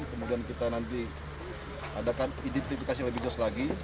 kemudian kita nanti adakan identifikasi yang lebih jelas lagi